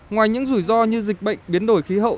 ngoài những rủi ro như dịch bệnh biến đổi khí hậu